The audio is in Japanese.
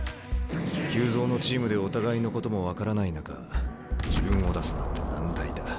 急造のチームでお互いのことも分からない中自分を出すなんて難題だ。